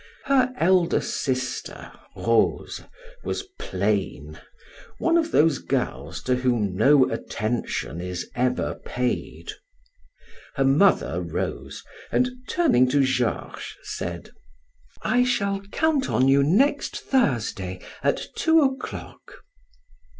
Her elder sister, Rose, was plain one of those girls to whom no attention is ever paid. Her mother rose, and turning to Georges, said: "I shall count on you next Thursday at two o'clock."